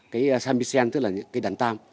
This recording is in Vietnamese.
cái samisen tức là cái đàn tam